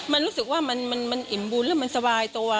มันรู้สึกว่ามันอิ่มบุญหรือมันสบายตัว